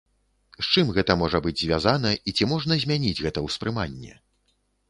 З чым гэта можа быць звязана і ці можна змяніць гэта ўспрыманне?